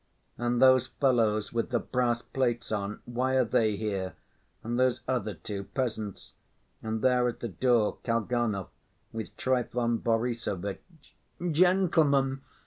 And those fellows with the brass plates on, why are they here? And those other two ... peasants.... And there at the door Kalganov with Trifon Borissovitch.... "Gentlemen!